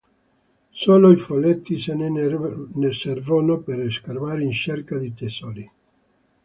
Solo i folletti se ne servono per scavare in cerca di tesori.